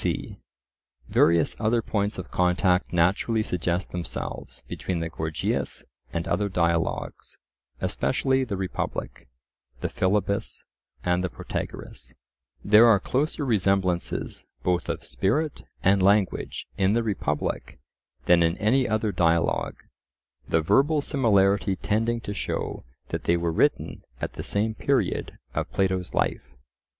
c. Various other points of contact naturally suggest themselves between the Gorgias and other dialogues, especially the Republic, the Philebus, and the Protagoras. There are closer resemblances both of spirit and language in the Republic than in any other dialogue, the verbal similarity tending to show that they were written at the same period of Plato's life.